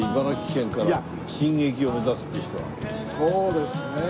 そうですね。